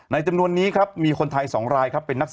ในจำนวนนี้ครับมีคนไทย๒รายครับ